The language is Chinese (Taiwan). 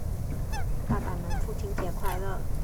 爸爸們父親節快樂！